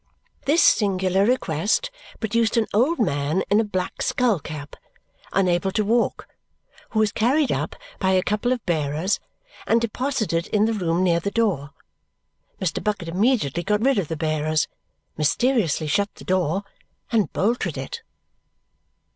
This singular request produced an old man in a black skull cap, unable to walk, who was carried up by a couple of bearers and deposited in the room near the door. Mr. Bucket immediately got rid of the bearers, mysteriously shut the door, and bolted it.